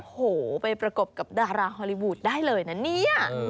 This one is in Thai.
โอ้โหไปประกบกับดาราฮอลลีวูดได้เลยนะเนี่ย